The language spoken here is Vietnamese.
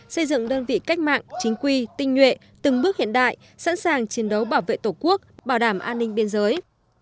xây dựng đơn vị cách mạng chính quy tinh nhuệ từng bước hiện đại sẵn sàng chiến đấu bảo vệ tổ quốc bảo đảm an ninh biên giới